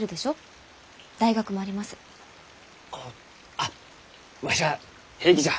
あっわしは平気じゃ。